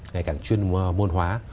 ngày càng chuyên môn hóa